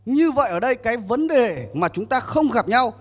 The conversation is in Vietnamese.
như vậy ở đây cái vấn đề mà chúng ta không gặp nhau